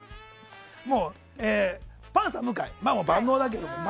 メンツがね、もうパンサーの向井万能だけども。